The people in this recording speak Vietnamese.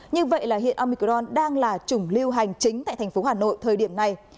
như vậy là hiện amicron đang là chủng lưu hành chính tại thành phố hà nội thời điểm này